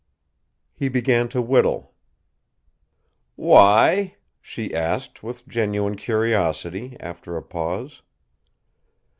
He began to whittle. "Why?" she asked with genuine curiosity, after a pause.